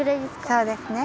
そうですね。